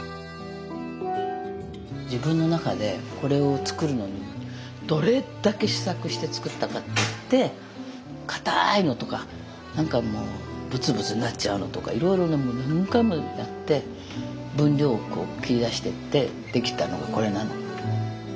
自分の中でこれを作るのにどれだけ試作して作ったかっていってかたいのとか何かもうブツブツなっちゃうのとかいろいろ何回もやって分量切り出してって出来たのがこれなの。